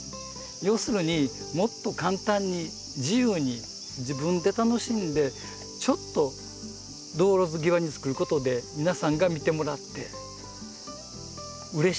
要するにもっと簡単に自由に自分で楽しんでちょっと道路際につくることで皆さんが見てもらってうれしい。